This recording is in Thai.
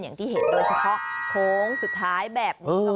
อย่างที่เห็นโดยเฉพาะโค้งสุดท้ายแบบนี้